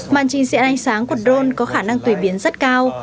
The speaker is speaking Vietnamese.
màn trình diễn ánh sáng của drone có khả năng tùy biến rất cao